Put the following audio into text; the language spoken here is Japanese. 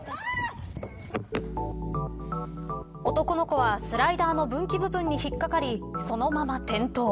男の子はスライダーの分岐部分に引っ掛かりそのまま転倒。